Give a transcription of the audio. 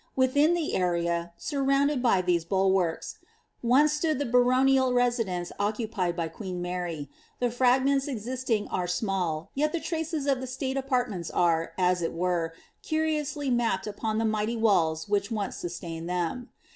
Within the area, surrounded by these bulwarics, once atood iht baronial residence occupied by queen Mary ; the fragments exbting aie S!nall, yet the traces of the state apartments are, as it were, curiooslj mapped upon the mighty walls which once sustained them.